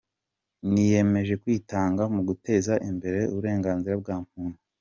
Niyemeje kwitanga mu guteza imbere uburenganzira bwa muntu,”